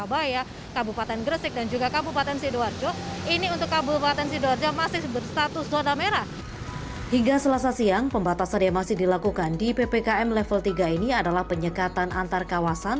hingga selasa siang pembatasan yang masih dilakukan di ppkm level tiga ini adalah penyekatan antar kawasan